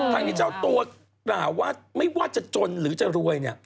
ทั้งนี้เจ้าตัวกล่าวว่าไม่ว่าจะจนหรือจะรวยเนี่ย